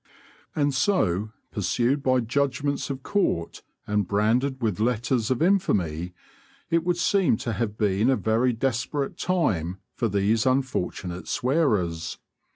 And so, pursued by judgments of court and branded with letters of infamy, it would seem to have been a very desperate time for these unfortunate swearers.